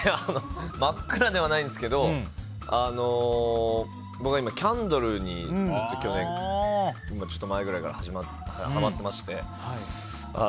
真っ暗ではないんですけど僕は今、キャンドルにちょっと前くらいからはまっていまして。